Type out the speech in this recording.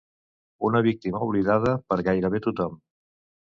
Una víctima oblidada per gairebé tothom.